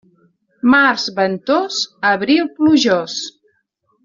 Març ventós, abril plujós.